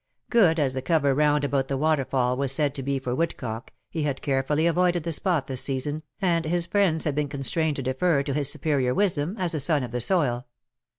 Good as the cover round about the waterfall was said to be for wood cockj he had carefully avoided the spot this season,, and his friends had been constrained to defer to his superior wisdom as a son of the soil.